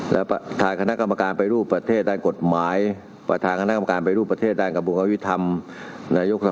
และทางคณะกรรมการไปรูปประเทศด้านกฎหมายประธานคณะกรรมการปฏิรูปประเทศด้านกระบวนการวิทธรรม